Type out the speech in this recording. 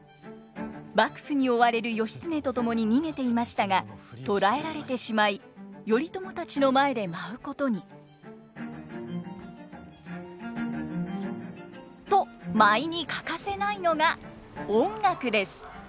幕府に追われる義経と共に逃げていましたが捕らえられてしまい頼朝たちの前で舞うことに。と舞に欠かせないのが音楽です。